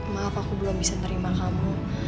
maaf aku belum bisa terima kamu